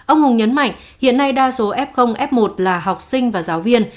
ông hùng nhấn mạnh hiện nay đa số f f một là học sinh và giáo viên